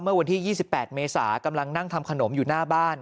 เมื่อวันที่๒๘เมษากำลังนั่งทำขนมอยู่หน้าบ้าน